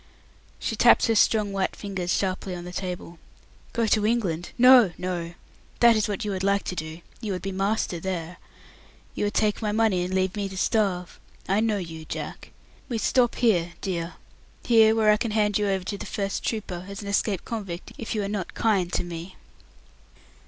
She tapped her strong white fingers sharply on the table. "Go to England? No, no. That is what you would like to do. You would be master there. You would take my money, and leave me to starve. I know you, Jack. We stop here, dear. Here, where I can hand you over to the first trooper as an escaped convict if you are not kind to me."